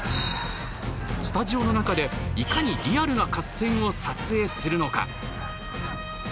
スタジオの中で、いかにリアルな合戦を撮影するのか。